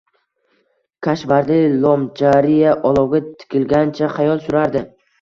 Kishvardi Lomjariya olovga tikilgancha xayol surardi.